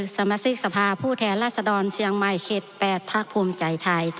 สมสิกสภาผู้แทนราษฎรเชียงไม่